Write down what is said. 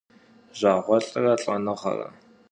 Jjağuelh're lh'enığere.